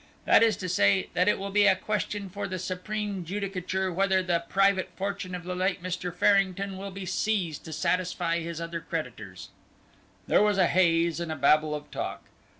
That is to say, that it will be a question for the supreme judicature whether the private fortune of the late Mr. Farrington will be seized to satisfy his other creditors." There was a haze and a babble of talk.